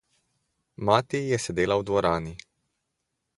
Mati je sedela v dvorani.